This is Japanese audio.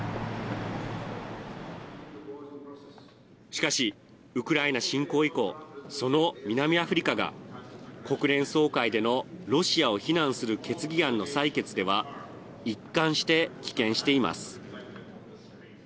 しかし、ウクライナ侵攻以降その南アフリカが国連総会でのロシアを非難する決議案の採決では一貫して棄権しています。